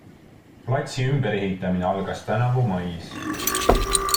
Platsi ümberehitamine algas tänavu mais.